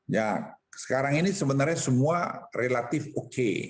ya sekarang ini sebenarnya semua relatif oke